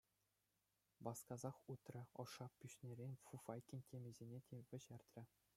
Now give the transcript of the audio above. Васкасах утрӗ, ӑшша пиҫнӗрен фуфайкин тӳмисене те вӗҫертрӗ.